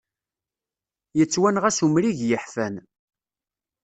Yettwanɣa s umrig yeḥfan.